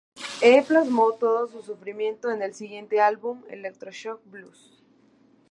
E plasmó todo su sufrimiento en el siguiente álbum "Electro-Shock Blues".